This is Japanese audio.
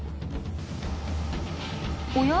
おや？